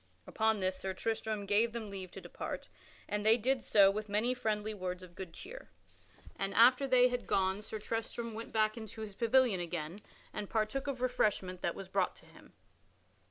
Upon this Sir Tristram gave them leave to depart, and they did so with many friendly words of good cheer. And after they had gone Sir Tristram went back into his pavilion again and partook of refreshment that was brought to him.